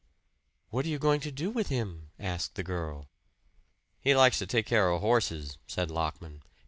"What are you going to do with him?" asked the girl. "He likes to take care of horses," said Lockman.